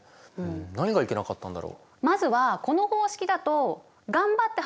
何がいけなかったんだろう？